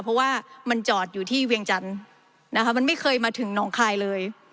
เพราะว่ามันจอดอยู่ที่เวียงจันทร์นะคะมันไม่เคยมาถึงน้องคายเลย